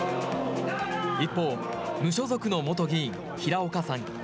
一方、無所属の元議員、平岡さん。